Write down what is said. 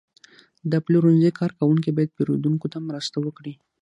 د پلورنځي کارکوونکي باید پیرودونکو ته مرسته وکړي.